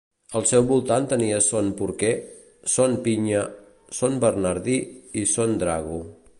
Al seu voltant tenia Son Porquer, Son Pinya, Son Bernadí i Son Drago.